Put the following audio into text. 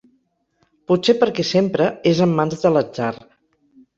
Potser perquè sempre és en mans de l'atzar.